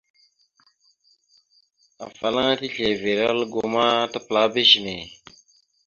Afalaŋana tislevere algo ma tapəlaba izəne.